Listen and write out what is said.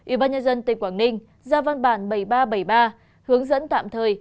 ủy ban nhân dân tỉnh quảng ninh ra văn bản bảy nghìn ba trăm bảy mươi ba hướng dẫn tạm thời